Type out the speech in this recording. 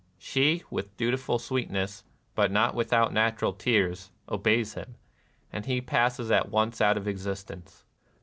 She, with dutiful sweetness, but not without natural tears, obeys him ; and he passes at once out of existence.